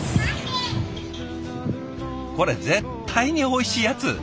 これ絶対においしいやつ。